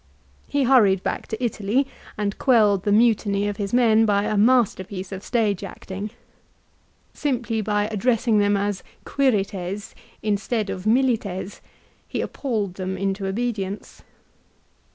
He hurried back to Italy and quelled the mutiny of his men by a masterpiece of stage acting. Simply by addressing them as " Quirites " instead of " Milites " he appalled them into obedience.